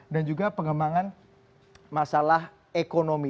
dan juga pengembangan masalah ekonomi